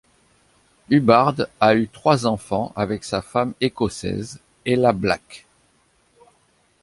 Hubbard a eu trois enfants avec sa femme écossaise, Ella Black.